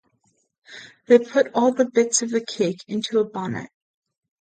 They put all the bits of the cake into a bonnet.